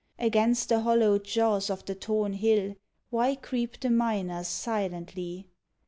Against the hollowed jaws of the torn hill, Why creep the miners silently?